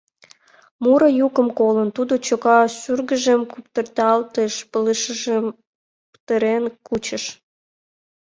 Муро йӱкым колын, тудо чока шӱргыжым куптырталтыш, пылышыжым петырен кучыш.